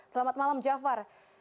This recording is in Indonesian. selamat malam jafar